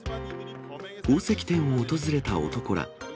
宝石店を訪れた男ら。